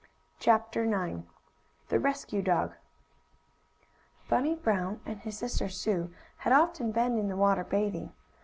CHAPTER IX THE RESCUE DOG Bunny Brown and his sister Sue had often been in the water bathing.